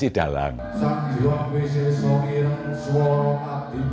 sang dalang mulai menggelar pertunjukan wayang kulit